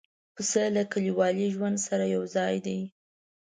پسه له کلیوالي ژوند سره یو ځای دی.